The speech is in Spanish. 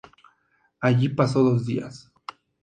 Allí pasó dos días.